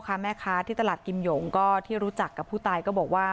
แม่ค้าที่ตลาดกิมหยงก็ที่รู้จักกับผู้ตายก็บอกว่า